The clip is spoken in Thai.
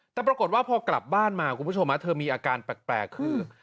แต่ปรากฏว่าพอกลับบ้านมาคุณผู้ชมเธอมีอาการแปลกคือ